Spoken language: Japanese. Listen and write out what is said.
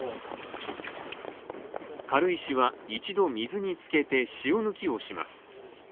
軽石は一度水につけて塩抜きをします。